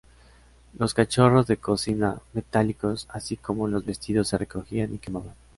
Los cacharros de cocina metálicos así como los vestidos se recogían y quemaban.